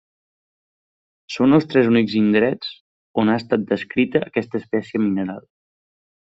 Són els tres únics indrets on ha estat descrita aquesta espècie mineral.